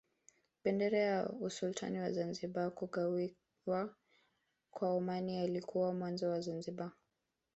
Bendera ya Usultani wa Zanzibar Kugawiwa kwa Omani kulikuwa mwanzo wa Zanzibar